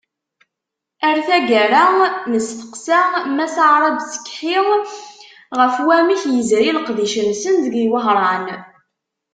Ar taggara nesteqsa Mass Arab Sekhi ɣef wamek yezri leqdic-nsen di Wehran.